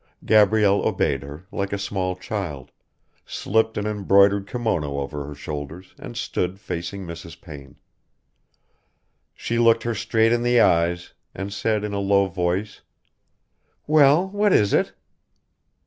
Gabrielle obeyed her, like a small child, slipped an embroidered kimono over her shoulders and stood facing Mrs. Payne. She looked her straight in the eyes, and said in a low voice: "Well, what is it?"